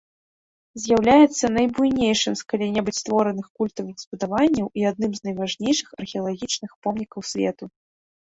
З'яўляецца найбуйнейшым з калі-небудзь створаных культавых збудаванняў і адным з найважнейшых археалагічных помнікаў свету.